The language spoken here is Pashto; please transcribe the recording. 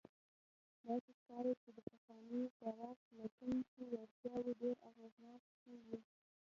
داسې ښکاري، چې د پخوانیو خوراک لټونکو وړتیاوې ډېر اغېزناکې وې.